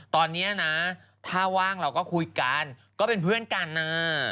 ตอนนี้นะถ้าว่างเราก็คุยกันก็เป็นเพื่อนกันนะ